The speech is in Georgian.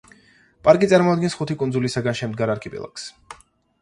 პარკი წარმოადგენს ხუთი კუნძულისაგან შემდგარ არქიპელაგს.